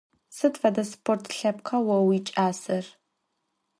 Sıd fede sport lhepkha vo vuiç'aser?